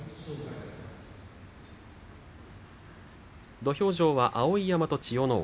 土俵上は碧山と千代ノ皇。